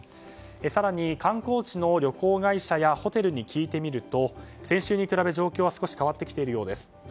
更に、観光地の旅行会社やホテルに聞いてみると先週に比べ、状況は少し変わってきているようです。